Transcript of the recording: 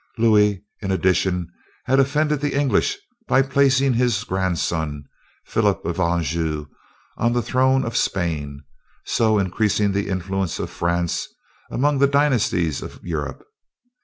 Louis, in addition, had offended the English by placing his grandson, Philip of Anjou, on the throne of Spain, so increasing the influence of France among the dynasties of Europe.